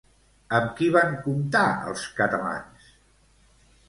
Amb qui van comptar, els catalans?